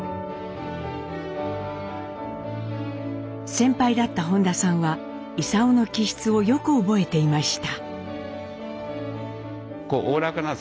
先輩だった本田さんは勲の気質をよく覚えていました。